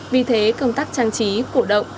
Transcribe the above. vì thế công tác trang trí cổ động